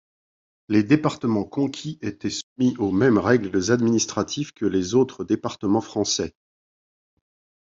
Les départements conquis étaient soumis aux mêmes règles administratives que les autres départements français.